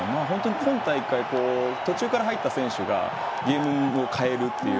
今大会、途中から入った選手がゲームを変えるという。